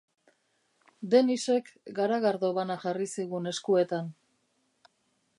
Dennisek garagardo bana jarri zigun eskuetan.